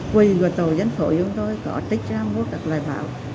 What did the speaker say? quỳ của tổ dân tội chúng tôi có tích ra một loại báo